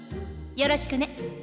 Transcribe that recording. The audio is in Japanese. よろしくね。